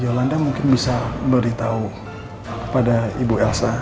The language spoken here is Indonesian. yolanda mungkin bisa beritahu kepada ibu elsa